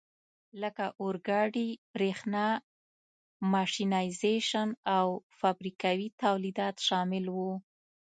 لکه اورګاډي، برېښنا، ماشینایزېشن او فابریکوي تولیدات شامل وو.